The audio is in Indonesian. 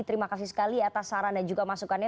terima kasih sekali atas saran dan juga masukannya